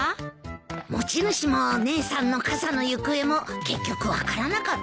持ち主も姉さんの傘の行方も結局分からなかったね。